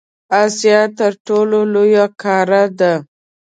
اسیا تر ټولو لویه قاره ده.